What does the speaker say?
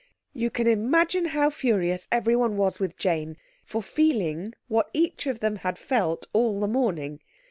You can imagine how furious everyone was with Jane for feeling what each of them had felt all the morning.